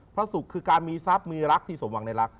พระสุขคือการมีทรัพย์มีรักที่สมหวังในรัก